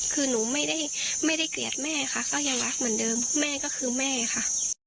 คือหนูไม่ได้เกลียดแม่ค่ะก็ยังรักเหมือนเดิมแม่ก็คือแม่ค่ะ